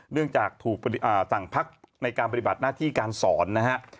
เนื่องจากถูกสั่งพักในการปฏิบัติหน้าที่การสอนนะฮะ